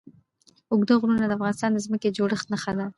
اوږده غرونه د افغانستان د ځمکې د جوړښت نښه ده.